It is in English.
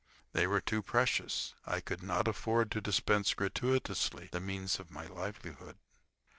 They were too precious. I could not afford to dispense gratuitously the means of my livelihood.